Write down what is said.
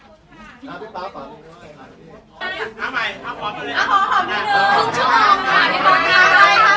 เอาของชอบกันดีกว่าอันนั้นจะเป็นภูมิแบบเมื่อ